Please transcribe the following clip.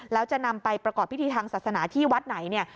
แล้วจะนำไปประกอบพิธีทางศาสนาที่วัดไหนเนี่ย